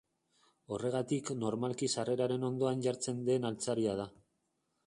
Horregatik normalki sarreraren ondoan jartzen den altzaria da.